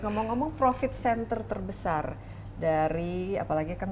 ngomong ngomong profit center terbesar dari apalagi kan